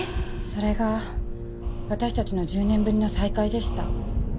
それが私たちの１０年ぶりの再会でした。